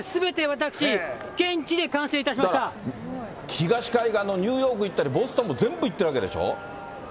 東海岸のニューヨーク行ったり、ボストンも全部行ってるわけでしょ。